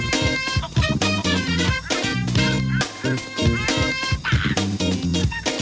ไปกันก่อนแล้วครับวันนี้ลาไปก่อนครับ